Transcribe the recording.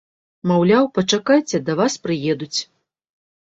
Маўляў, пачакайце, да вас прыедуць.